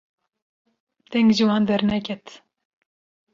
deng ji wan derneket